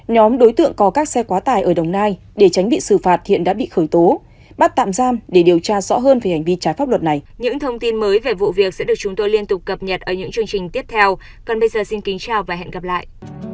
nhóm đối tượng có các xe quá tải ở đồng nai để tránh bị xử phạt hiện đã bị khởi tố bắt tạm giam để điều tra rõ hơn về hành vi trái pháp luật này